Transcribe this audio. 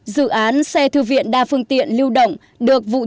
dự án xe thư viện đa phương tiện lưu động được vụ thư viện